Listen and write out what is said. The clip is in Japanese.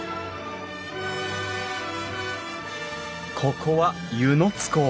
ここは温泉津港。